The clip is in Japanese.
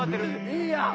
いいやん！